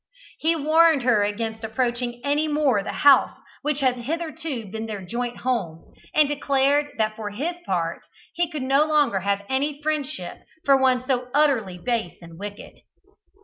He warned her against approaching any more the house which had hitherto been their joint home, and declared that for his part he could no longer have any friendship for one so utterly base and wicked.